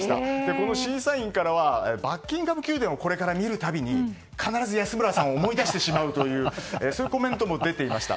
この審査員からはバッキンガム宮殿をこれから見る度に必ず安村さんを思い出してしまうというそういうコメントも出ていました。